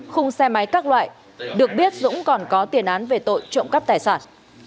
khung xe máy các loại được biết dũng còn có tiền án về tội trộm cắp tài sản